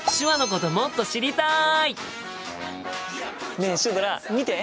ねえシュドラ見て！